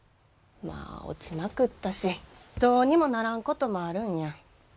まあ落ちまくったしどうにもならんこともあるんや。